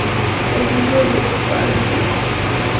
Es miembro de "Fahrenheit".